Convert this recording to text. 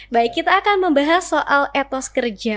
baik kita akan membahas soal badan kepegawaian daerah provinsi banten